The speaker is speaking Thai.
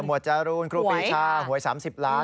จรูนครูปีชาหวย๓๐ล้าน